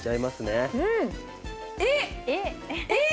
えっ！？